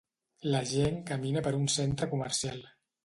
La gent camina per un centre comercial.